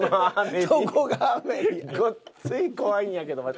ごっつい怖いんやけど。